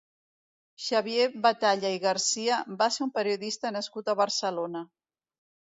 Xavier Batalla i Garcia va ser un periodista nascut a Barcelona.